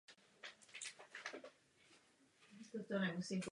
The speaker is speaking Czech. Její manžel ji za to dal hodit do moře.